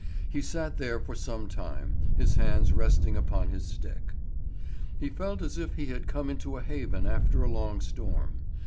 He sat there for some time, his hands resting upon his stick. He felt as if he had come into a haven after a long storm.